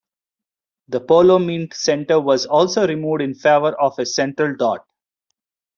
The polo mint centre was also removed in favour of a central dot.